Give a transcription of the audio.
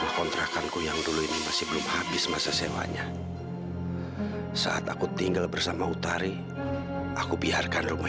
kondisi pak prabu